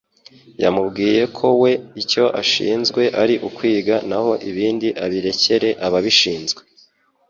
Yamubwiye ko we icyo ashinzwe ari ukwiga naho ibindi abirekere ababishinzwe